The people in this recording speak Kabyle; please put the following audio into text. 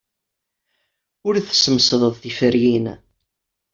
Ur tesmesdeḍ tiferyin.